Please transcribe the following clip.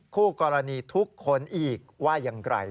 คู่กรณีทุกคนอีกว่ายังไกล